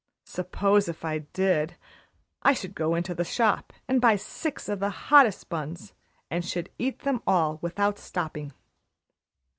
Suppose, if I did, I should go into the shop and buy six of the hottest buns, and should eat them all without stopping."